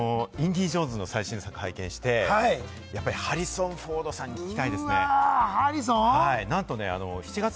僕、この間、インディ・ジョーンズの最新作を拝見しまして、ハリソン・フォードさんに聞きたいですね。